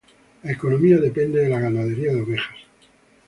La economía depende de la ganadería de ovejas.